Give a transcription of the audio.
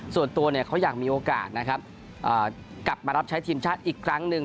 ส่วนตัวเขาอยากมีโอกาสนะครับกลับมารับใช้ทีมชาติอีกครั้งหนึ่ง